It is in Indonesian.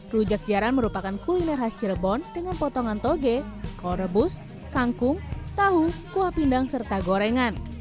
rujak jaran merupakan kuliner khas cirebon dengan potongan toge kuah rebus kangkung tahu kuah pindang serta gorengan